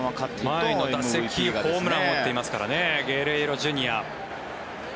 前の打席にホームランを打ってますからねゲレーロＪｒ．。